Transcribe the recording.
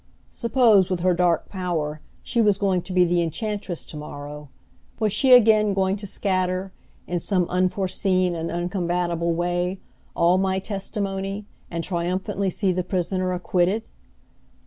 Suppose, with her dark power, she was going to be the enchantress to morrow. Was she again going to scatter, in some unforeseen and uncombatible way, all my testimony, and triumphantly see the prisoner acquitted?